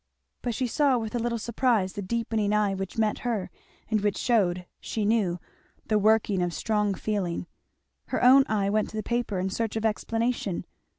But she saw with a little surprise the deepening eye which met her, and which shewed, she knew, the working of strong feeling. Her own eye went to the paper in search of explanation.